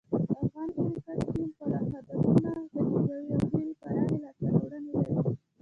افغان کرکټ ټیم خپل هدفونه تعقیبوي او ډېرې پراخې لاسته راوړنې لري.